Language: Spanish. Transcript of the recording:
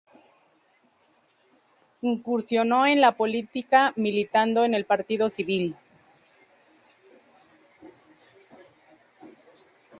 Incursionó en la política militando en el Partido Civil.